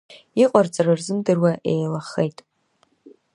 Иҟарҵара рзымдыруа еилахеит.